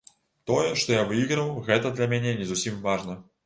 Тое, што я выйграў, гэта для мяне не зусім важна.